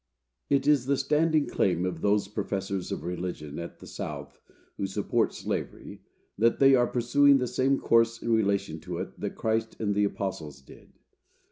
It is the standing claim of those professors of religion at the South who support slavery that they are pursuing the same course in relation to it that Christ and his apostles did.